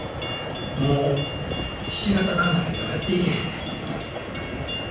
もうひし形金網ではやっていけへんねん。